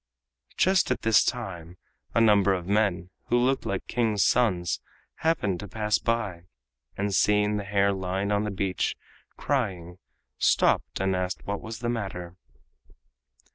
Just at this time a number of men, who looked like King's sons, happened to pass by, and seeing the hare lying on the beach crying, stopped and asked what was the matter.